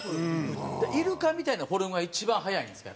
イルカみたいなフォルムが一番速いんですか？